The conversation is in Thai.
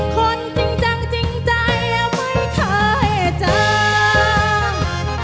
คนจริงจังจริงใจแล้วไม่เคยจัง